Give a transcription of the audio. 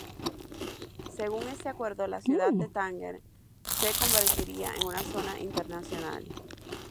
Según este acuerdo la ciudad de Tánger se convertiría en una zona internacional.